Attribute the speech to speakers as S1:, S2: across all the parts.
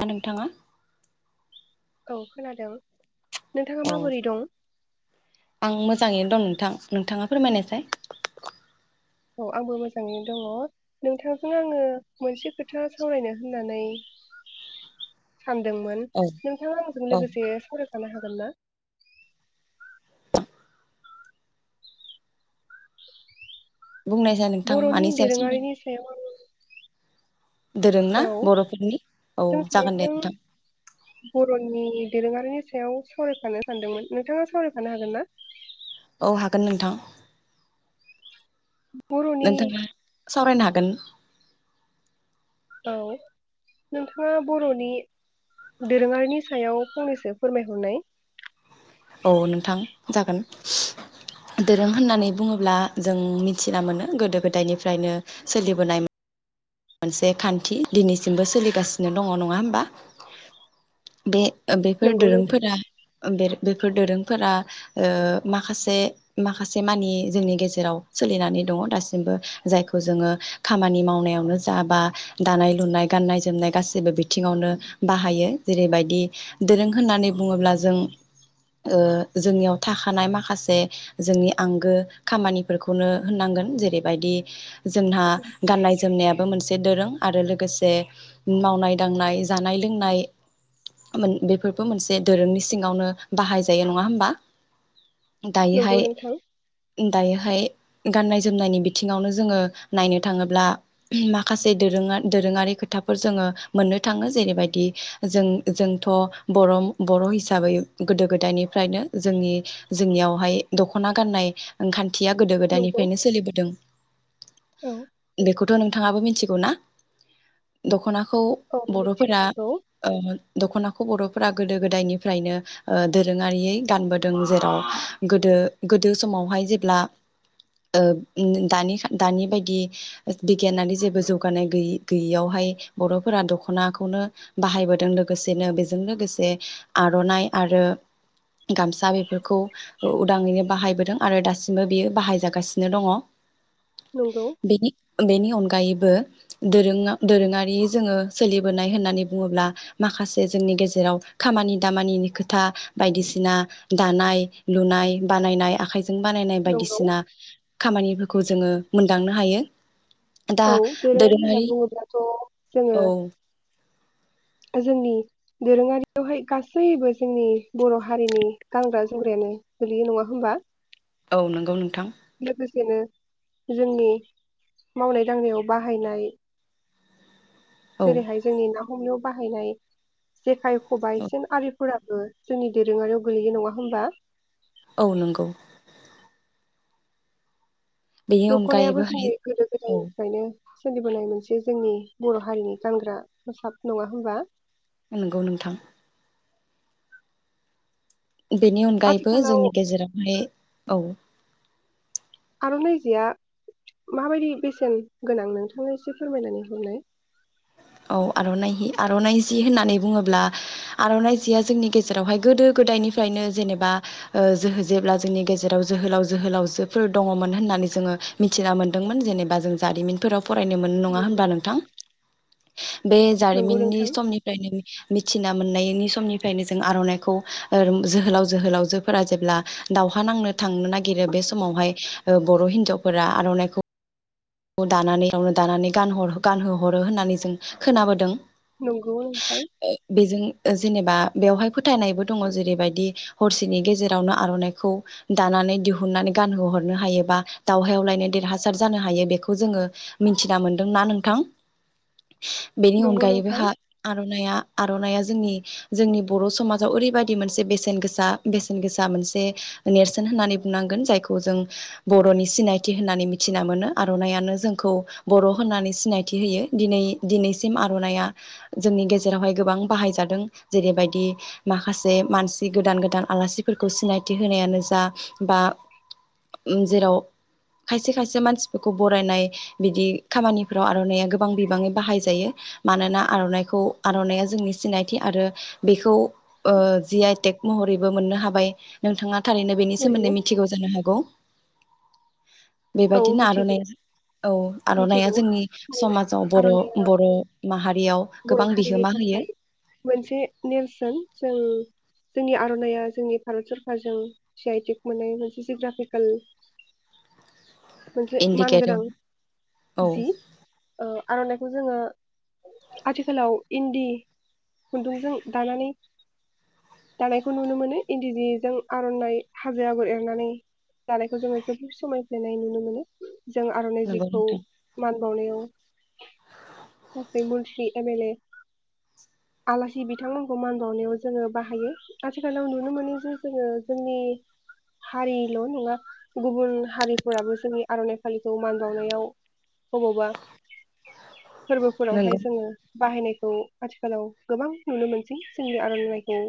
S1: ओ नोंथाङा
S2: औ खोनादों नोंथाङा
S1: औ
S2: माबोरै दं
S1: आं मोजाङैनो दं नोंथां नोंथाङा फोरमायनायसाय
S2: औ आंबो मोजाङैनो दङ नोंथांजों आङो मोनसे खोथा सावरायनो होननानै सानदोंमोन
S1: औ
S2: नोंथाङा आंजों
S1: औ
S2: लोगोसे सावराय फानो हागोनना
S1: [inaudible] बुंनायसाय नोंथां
S2: बरनि
S1: मानि सायाव
S2: दोरोङारिनि
S1: सावरायनो दोरों ना
S2: सायाव औ
S1: बर'फोरनि औ
S2: जों
S1: जागोन दे
S2: सानैजों
S1: नोंथां
S2: बरनि दोरोङारिनि सायाव सावरायफानो सानदोंमोन नोंथाङा सावरायफानो हागोन ना
S1: औ हागोन नोंथां
S2: बर'नि
S1: नोंथाङा सावरायनो हा गोन
S2: औ नोंथाङा बरनि दोरोङारिनि सायाव फंनैसो फोरमायहरनाय
S1: औ नोंथां जागोन दोरों होननानै बुङोब्ला जों मिथिना मोनो गोदो गोदायनिफ्रायनो सोलिबोनाय मोनसे खान्थि दिनैसिमबो सोलिगासिनो दङ नङा होमबा बे बेफोर
S2: नंगौ नोंथां
S1: दोरोंफोरा बे बेफोर दोरोंफोरा ओ माखासे माखासे मानि जोंनि गेजेराव सोलिनानै दङ दासिमबो जायखौ जोङो खामानि मावनायावनो जाबा दानाय लुनाय गान्नाय जोमनाय गासैबो बिथिङावनो बाहायो जेरैबायदि दोरों होननानै बुङोब्ला जों ओ जोंनियाव थाखानाय माखासे जोंनि आंगो खामानिफोरखौनो होननांगोन जेरैबायदि जोंहा गाननाय जोम नेप बो मोनसे दोरों आरो लोगोसे मावनाय दांनाय जानाय लोंनाय बेफोरबो मोनसे दोरोंनि सिङावनो बाहाय जायो नङा होमबा?
S2: नंगौ
S1: दायोहाय
S2: नोंथां
S1: [inaudible] दायोहाय गाननाय जोमनायनि बिथिङावनो जोङो नायनो थाङोब्ला माखासे दोरोङा दोरोङारि खोथाफोर जोङो मोननो थाङो जेरैबायदि जों जोंथ' बरं' बर' हिसाबै गोदो गोदायनिफ्रायनो जोंनि जोंनियावहाय दख'ना गाननाय ओं खान थिया गोदो
S2: नंगौ
S1: गोदायनिफायनो सोलिबोदों।
S2: औ
S1: [unintelligible] नोंथाङाबो मिथिगौ ना दख'ना खौ
S2: औ
S1: बर'फोरा
S2: मिथिगौ
S1: ओ दख'नाखौ बर'फोरा गोदो गोदायनिफ्रायनो ओ दोरोङारियै गानबोदों जेराव गोदो गोदो समावहाय जेब्ला ओ दानि दानि बायदि बिगियाननि जेबो जौगानाय गैय गैयियावहाय बर'फोरा दख'नाखौनो बाहायबोदों लोगोसेनो बेजों लोगोसे आर'नाइ आरो गामसा बेफोरखौ उदाङैनो बाहायबोदों आरो दासिमबो बियो बाहायजागासिनो दङ।
S2: नंगौ
S1: बेनि बेनि अनगायैबो दोरो दोरोङारि जोङो सोलिबोनाय होननानै बुङोब्ला माखासे जोंनि गेजेराव खामानि दामानिनि खोथा बायदिसिना दानाय लुनाय बानायनाय आखाइ बानायनाय
S2: नंगौ
S1: बायदिसिना खामानिफोरखौ जोंनो मोन दांनो हायो दा
S2: औ दोरोङारि होनना बुङोब्लाथ' जोङो
S1: औ
S2: जोंनि दोरोङारियावहाय गासैबो जोंनि बर' हारिनि गानग्रा जोमग्रायानो गोलैयो नङा होमबा?
S1: औ नंगौ नों
S2: लोगोसेनो जोंनि मावनाय दांनायाव बाहायनाय
S1: औ
S2: जेरैहाय जोंनि ना ह'मिव बाहायनाय जेखाय ख'बाइ
S1: औ
S2: सिन आलिफुराब ओ जोंनि दोरोङारियाव गोलैयो नङा होमबा?
S1: औ नंगौ [inaudible] बेनि
S2: दख'नायाबो
S1: अनगायैबोहाय
S2: जोंनि गोदो
S1: औ
S2: गोदायनिफ्रायनो सोलिबोनाय मोनसे जोंनि बर' हारिनि गानग्रा मोसाब नङा होनबा?
S1: नंगौ नोंथां। बेनि अनगायैबो
S2: आथिखालाव
S1: जोंनि गेजेरावहाय औ
S2: आर'नाइजेआ माबायदि बेसेन गोनां नोंथाङा एसे फोरमायनानै हरनाय
S1: औ आर'नाइ हि आर'नाइ जि होननानै बुङोब्ला आर'नाइ जिया जोंनि गेजेरावहाय गोदो गोदायनिफ्रायनो जेनेबा ओ जोहो जेब्ला जोंनि गेजेराव जोहोलाव जोहोलावजोफोर दङमोन होननानै जोङो मिथिना मोन्दोंमोन जेनेबा जों जारिमिनफोराव फरायनो मोन नङा होनबा नोंथां बे
S2: नंगौ
S1: जारिमिननि
S2: नोंथां
S1: समनिफ्रायनो मिथि सिना मोननायनि समनिफ्रायनो जों आर'नाइखौ ओ जोहोलाव जोहोलावजोफोरा जेब्ला दावहा नांनो थांनो नागिरो बे समावहाय ओ बर' हिनजावफोरा आर'नाइखौ दानानै रावनो दानानै गानह- गानहो हरो होननानै जों खोनाबोदों।
S2: नंगौ नोंथां।
S1: बेजों जेनेबा बेवहाय फोथायनायबो दङ जेरैबायदि हरसेनि गेजेरावनो आर'नाइखौ दानानै दिहुननानै गानहोहरनो हायोबा दावहायाव लायनो देरहासार जानो हायो बेखौ खौ जोङो मिथिना मोन्दोंना नोंथां? बेनि
S2: नंगौ
S1: अनगायैबो
S2: नोंथां
S1: हा आर'नाइया आर'नाइया जोंनि जोंनि बर' समाजाव ओरैबायदि मोनसे बेसेन गोसा बेसेन गोसा मोनसे नेरसोन होननानै बुंनांगोन जायखौ जों बर'नि सिनायथि होननानै मिथिना मोनो। आ आर'नाइयानो जोंखौ बर' होननानै सिनायथि होयो दिनै दिनैसिम आर'नाइया जोंनि गेजेरावहाय गोबां बाहायजादों जेरैबायदि माखासे मानसि गोदान गोदान आलासिफोरखौ सिनायथि होनायानो जा बा, जेराव खायसे खायसे मानसि बेखौ बरायनाय बिदि खामानिफ्राव आर'नाइया गोबां बिबाङै बाहायजायो मानोना आर'नाइखौ आर'नाइया जोंनि सिनायथि आरो बेखौ ओ जि आइ टेक महरैबो मोननो हाबाय। नोंथाङा थारैनो बेनि
S2: नंगौ
S1: सोमोन्दै मिथिगौ जानो हागौ।
S2: औ
S1: बेबायदि
S2: मिथिगौ
S1: नारनाइ औ आर'नाइया
S2: मिथिगौ
S1: जोंनि
S2: थारैनो
S1: समाजाव बर'
S2: आर'नाइया
S1: बर' माहारि
S2: बर' हारिनि थाखाय मोनसे नेरसोन जों जोंनि आर'नाइया जोंनि भारत सरकारजों जि आइ टिक मोननाय मोनसे जिग्राफिकेल मोनसे मान गोनां,
S1: इन्दिकेटआव औ
S2: जि, ओ आर'नाइ खौ जोङो, आथिखालाव इन्दि खुन्दुंजों दानानै, दानायखौ नुनो मोनो इन्दि जिजों आर'नाइ हाजो आगर एरनानै दानायखौ जोङो जोबोद समायफ्लायनाय नुनो मोनो। जों आर'नाइ
S1: नंगौ
S2: जिखौ
S1: नोंथां
S2: मान [unintelligible] मन्त्रि एम एल ए आलासि बिथांमोनखौ मान बावनायाव जोङो बाहायो। आथिखालाव नुनो मोनो जे जोङो जोंनि हारिल' नङा गुबुन हारिफोराबो जोंनि आर'नाइ फालिखौ मान बावनायाव बबावबा [inaudible] फोरबोफोरावहाय
S1: नंगौ
S2: जोङो बाहायनाय खौ आथिखालाव गोबां नुनो मोनसै जोंनि आर'नाइलाइखौ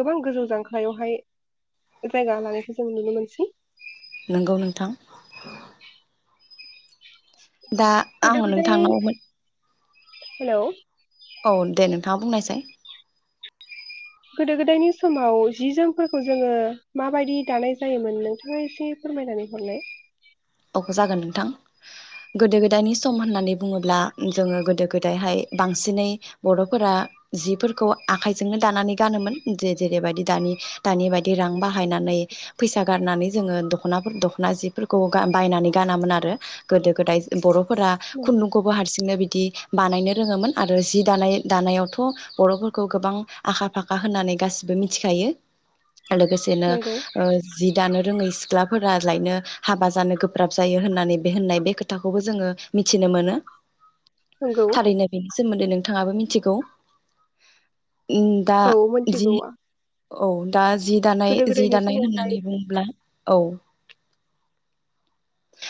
S2: गोबां गोजौ जांख्लायावहाय जायगा लानायखौ जों नुनो मोनसै।
S1: नोंगौ नोंथां। दा
S2: गोदो
S1: आङो
S2: गोदाय
S1: नोंथांनाव मोन
S2: हेलौ
S1: नोंथाङा बुंनायसाय
S2: गोदो गोदायनि समाव जि जोमफोरखौ जोङो माबायदि दानाय जायोमोन नोंथाङा एसे फोरमायनानै हरलाय?
S1: अ जागोन नोंथां गोदो गोदायनि सम होननानै बुङोब्ला जोङो गोदो गोदायहाय बांसिनै बर'फोरा जिफोरखौ आखाइजोंनो दानानै गानोमोन जे जेरैबायदि दानि दानि बायदि रां बाहायनानै फैसा गारनानै जोङो दख'नाफोर दख'ना जिफोरखौ गा- बायनानै गानामोन आरो गोदो गोदाय बर' फोरा खुन्दुंखौ हारसि नो बिदि बानायनो रोङोमोन आरो जि दानाय दानायावथ' बर'फोरखौ गोबां आखा फाखा होननानै गासिबो मिथिखायो। लोगोसेनो
S2: नंगौ
S1: ओ जि दानो रोङै सिख्लाफोरा लायनो हाबा जानो गोब्राब जायो होननानै होननाय बे खोथाखौबो जोङो मिथिनो मोनो।
S2: नंगौ
S1: थारैनो बेनो। सोमोन्दै नोंथाङाबो मिथिगौ । ओम दा
S2: औ
S1: जि
S2: मोनथिगौ
S1: औ दा जि दानाय
S2: गोदो
S1: जि
S2: गोदायनि
S1: दानाय
S2: समावहाय
S1: होननानै बुङोब्ला औ ।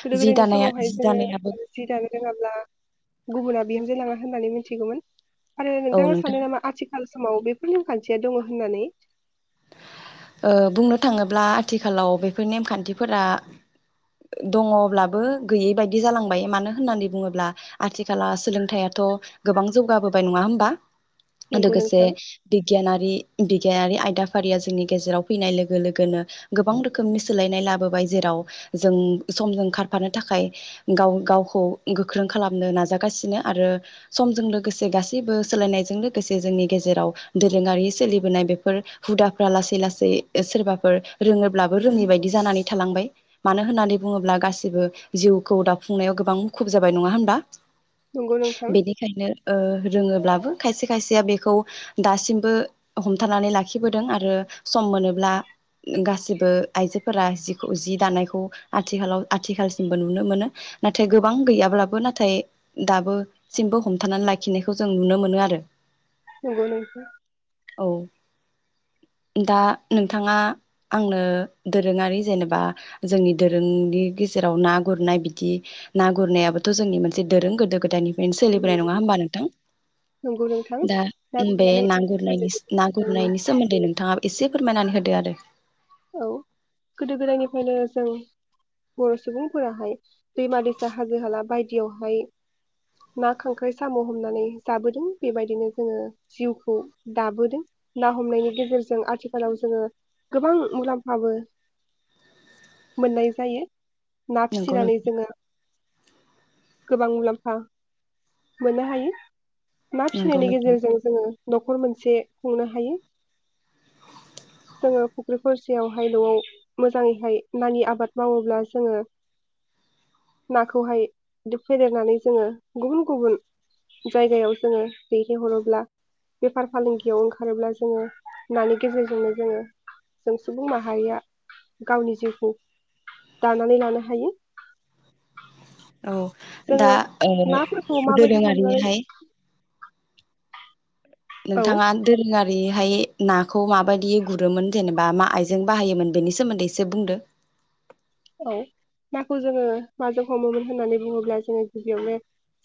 S2: गोदो
S1: जि
S2: गोदायनि
S1: दानाया
S2: समावहाय
S1: जि
S2: जोङो
S1: दानायाबो
S2: जि दानो रोङाब्ला गुबुना बिहाम जो लाङा होननानै मिथिगौमोन । आरो
S1: औ
S2: नोंथाङा
S1: नोंथां
S2: सानो नामा आथिखाल समाव बेफोर नेमखान्थिया दङ होननानै
S1: ओ बुंनो थाङोब्ला आथिखालाव बेफोर नेमखान्थिफोरा दङब्लाबो गैयै बायदि जालांबाय मानो होननानै बुङोब्ला आथिखलाव सोलोंथायाइआथ गोबां जौगाबोबाय नङा होमबा?
S2: नंगौ
S1: लोगोसे
S2: नोंथां
S1: बिगियानारि बिगियारि आयदाफारिया जोंनि गेजेराव फैनाय लोगो लोगोनो गोबां रोखोमनि सोलायनाय लाबोबाय जेराव जों समजों खारफानो थाखाय गाव गावखौ गोख्रों खालामनो नाजागासिनो आरो समजों लोगोसे गासैबो सोलायनायजों लोगोसे जोंनि गेजेराव दोरोङारि सोलिबोनाय बेफोर हुदाफ्रा लासै लासै लासै सोरबाफोर रोङोब्लाबो रोङै बायदि जानानै थालांबाय मानो होननानै बुङोब्ला गासिबो जिउखौ दाफुंनायाव गोबां मुखुब जाबाय नङा होनबा ।
S2: नंगौ नोंथां
S1: बेनिखायनो ओ रोङोब्लाबो खायसे खायसेया बेखौ खौ दासिमबो हमथानानै लाखिबोदों आरो । सम मोनोब्ला गासिबो आइजोफोरा जिखौ जि दानायखौ आथिखालाव आथिखालसिमबो नुनो मोनो नाथाय गोबां गैयाब्लाबो नाथाय दाबो सिमबो हमथानानै लाखिनायखौ जों नुनो मोनो आरो ।
S2: नंगौ नोंथां ।
S1: औ । दा नोंथाङा आंनो दोरोङारि जेनेबा जोंनि दोरोंनि गेजेराव ना गुरनाय बिदि ना गुरनायाबोथ जोंनि मोनसे दोरों गोदो गोदनिफ्रायनो
S2: औ
S1: सोलिबोनाय नङा
S2: नंगौ
S1: हबा नोंथां
S2: नंगौ नोंथां
S1: दा
S2: ना
S1: बे
S2: गुरनानै
S1: ना गुर
S2: गोदो
S1: ना
S2: गोदायनिफ्रायनो
S1: गुरनायनि सोमोन्दै नोंथाङा फोरमायनानै होदो आरो ।
S2: औ गोदो गोदायनिफ्रायनो जों बर सुबुंफोराहाय दैमा दैसा हाजो हाला बायदियावहाय ना खांख्राइ साम हमनानै जाबोदों बेबायदिनो जोङो जिउखौ दाबोदों ना हमनायनि गेजेरजों आथिखालाव जोङो गोबां मुलाम्फाबो मोननाय जायो। ना
S1: नंगौ
S2: फिसिनानै
S1: नोंथां
S2: जोङो । गोबां मुलाम्फा मोननो हायो । ना
S1: नंगौ
S2: फिसिनायनि
S1: नोंथां
S2: गेजेरजों जोङो नखर मोनसे खुंनो हायो जोङो । बेफोरसेयावहाय नआव मोजाङैहाय नानि आबाद मावोब्ला जोङो नाखौहाय फेदेरनानै जोङो गुबुन गुबुन जायगायाव जोङो दैथाय हरोब्ला बेफार फालांगियाव ओंखारोब्ला जोङो नानि गेजेरजोंनो जोङो जों सुबुं माहारिया गावनि जिउखौ दानानै लानो हायो ।
S1: औ दा ओ
S2: नाफोरखौ माबायदि हमनानै
S1: दोरोङारिहाय
S2: औ
S1: नोंथाङा दोरोङारि हाय नाखौ माबायदि गुरोमोन जेनेबा मा आइजों बाहायोमोन बेनि सोमोन्दैसे बुंदो ।
S2: औ नाखौ जोङो माजों हमोमोन होननानै बुङोब्ला जोङो गिबियावनो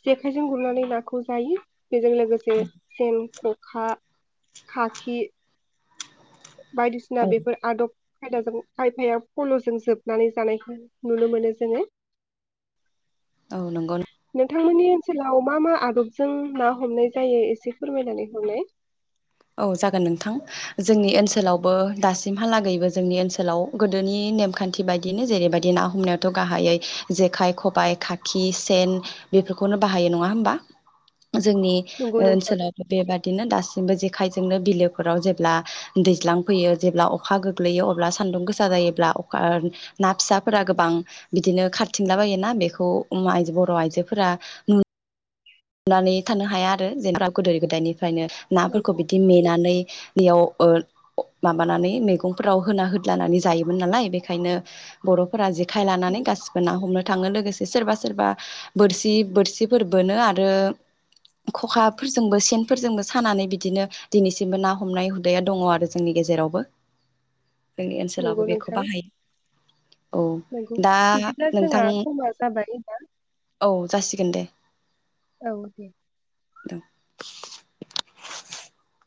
S2: जेखाइजों गुरनानै नाखौ जायो । बेजों लोगोसे सेन, खखा, खाखि, बायदिसिना
S1: औ
S2: बेफोर आदब खायदाजों खायफाया फलजों जोबनानै जानायखौ नुनो मोनो जोङो।
S1: औ नंगौ
S2: थांमोननि ओनसोलाव मा मा आदबजों ना हमनाय जायो एसे फोरमायनानै हरनाय।
S1: औ जागोन नोंथां जोंनि ओनसोलावबो दासिमहालागैबो जोंनि ओनसोलाव गोदोनि नेमखान्थि बायदिनो जेरैबायदि ना हमनायावथ' गाहायै जेखाइ, खबाइ, खाखि, सेन बेफोरखौनो बाहायो नङा होमबा? जोंनि
S2: नंगौ नोंथां
S1: ओनसोलाव बेबादिनो दासिमबो जे खाइजोंनो बिलोफोराव जेब्ला दैज्लां फैयो जेब्ला अखा गोग्लैयो अब्ला सान्दुं गोसा जायोब्ला अखा ना फिसाफोरा गोबां बिदिनो खारथिंला बायोना बेखौ उम आय बर' आइजोफोरा नु नानै थानो हाया आरो जेनबा गोदो गोदायनि फ्रायनो नाफोरखौ
S2: नंगौ
S1: बिदि मेनानै बेयाव ओ माबानानै मैगंफोराव होना होदलानानै जायोमोन नालाय बेनिखायनो बर'फोरा जे खाय लानानै गासिबो ना हमनो थाङो लोगोसे सोरबा सोरबा बोरसि बोरसिफोर बोनो आ रो खखाफोरजोंबो सेनफोरजोंबो सानानै बिदिनो दिनैसिमबो ना हमनाय हुदाया दङ आरो जोंनि गेजेरावबो। जोंनि
S2: नंगौ
S1: ओनसोलावबो बेखौ
S2: नोंथां
S1: बाहायो औ
S2: नंगौ
S1: दा
S2: बिदिब्ला
S1: नोंथां
S2: जोंहा समा जाबाय दा।
S1: औ जासिगोन दे।
S2: औ दे।
S1: [unintelligible]